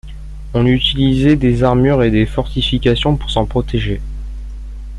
On utilisait des armures et des fortifications pour s'en protéger.